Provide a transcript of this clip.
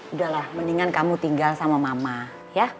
udahlah mendingan kamu tinggal sama mama ya